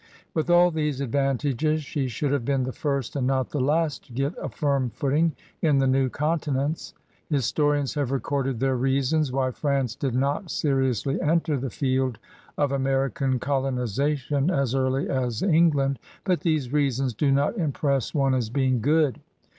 With all these advantages she should have been the first and not the last to get a firm footing in the new continents. Historians have recorded their reasons why France did not seriously enter the field of American colonization as early as England, but these reasons do not im press one as being good.